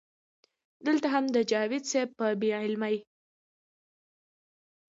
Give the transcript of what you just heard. دلته هم د جاوېد صېب پۀ بې علمۍ